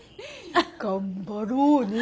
頑張ろうね。